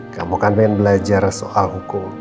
kamu kan pengen belajar soal hukum